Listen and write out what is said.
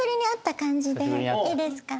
いいですか？